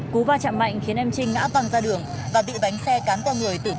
cú va chạm mạnh khiến em trinh ngã vòng ra đường và bị bánh xe cán qua người